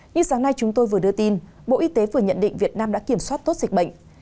như sáng nay chúng tôi vừa đưa tin bộ y tế vừa nhận định việt nam đã kiểm soát tốt dịch bệnh